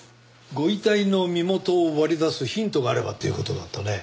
ご遺体の身元を割り出すヒントがあればっていう事だったね？